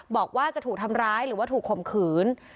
บอกว่าจะถูกทำร้ายหรือว่าถูกข่มขืน